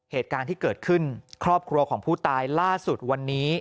เหตุการณ์ที่เกิดขึ้นครอบครัวของผู้ตายล่าสุดวันนี้